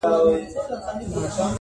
د آسمان له تشه لاسه پرېوتلې پیمانه یم٫